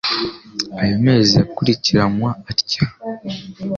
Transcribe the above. ayo mezi yakurikiranywa atya;